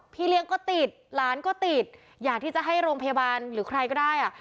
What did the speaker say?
พี่เลี้ยงก็ติดหลานก็ติดอยากที่จะให้โรงพยาบาลหรือใครก็ได้อ่ะ